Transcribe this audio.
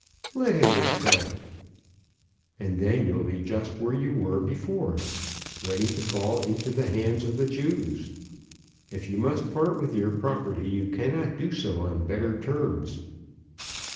"Let him retract." "And then you'll be just where you were before, ready to fall into the hands of the Jews. If you must part with your property you cannot do so on better terms."